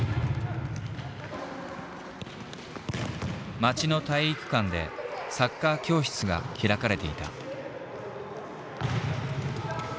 町の体育館でサッカー教室が開かれていた。